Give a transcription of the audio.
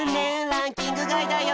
ランキングがいだよ。